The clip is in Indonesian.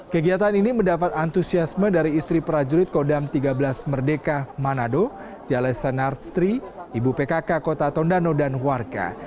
kegiatan ini mendapat antusiasme dari istri prajurit kodam tiga belas merdeka manado jalesa narstri ibu pkk kota tondano dan warga